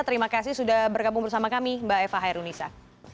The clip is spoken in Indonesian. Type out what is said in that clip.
terima kasih sudah bergabung bersama kami mbak eva hairunisa